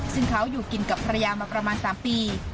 ซึ่งเขาอยู่กินกับภรรยามาประมาณ๓ปี